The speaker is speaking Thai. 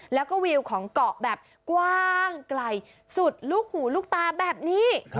แล้วก็วิวของเกาะแบบกว้างไกลสุดลูกหูลูกตาแบบนี้